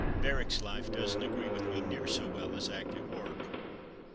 Barracks life doesn't agree with me near so well as active work."